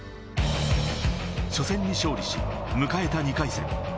初戦に勝利し、迎えた２回戦。